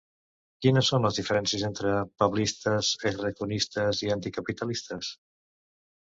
Quines són les diferències entre ‘pablistes’, ‘errejonistes’ i anticapitalistes?